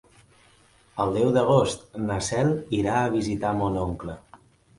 El deu d'agost na Cel irà a visitar mon oncle.